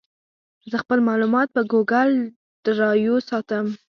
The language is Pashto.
زه خپل معلومات په ګوګل ډرایو ساتم.